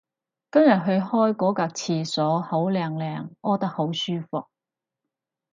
今日去開嗰格廁所好靚靚屙得好舒服